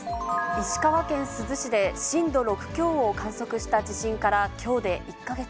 石川県珠洲市で震度６強を観測した地震からきょうで１か月。